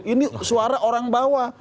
ini suara orang bawah